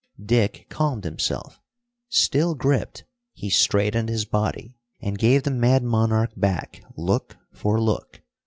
Dick calmed himself. Still gripped, he straightened his body, and gave the mad monarch back look for look.